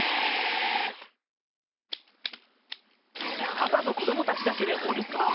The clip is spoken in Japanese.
パパと子どもたちだけでお留守番！